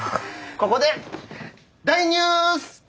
ここで大ニュース！え？